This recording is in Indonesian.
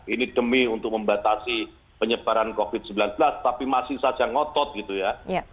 ini demi untuk membatasi penyebaran covid sembilan belas tapi masih saja ngotot gitu ya